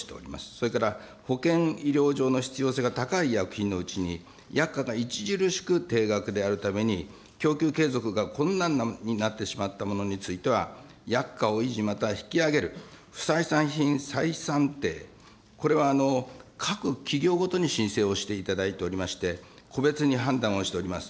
それから保健医療上の必要性が高い医薬品のうちに、薬価が著しく低額であるために、供給継続が困難になってしまったものについては、薬価を維持、または引き上げる、不採算品再算定、これは各企業ごとに申請をしていただいておりまして、個別に判断をしております。